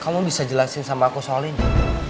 kamu bisa jelasin sama aku soal ini